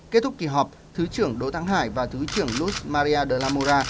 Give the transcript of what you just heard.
kết thúc kỳ họp thứ trưởng đỗ thắng hải và thứ trưởng luz maria de la mora